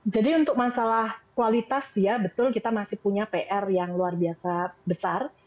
untuk masalah kualitas ya betul kita masih punya pr yang luar biasa besar